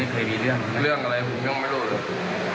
ข้ออ้างพิเศษ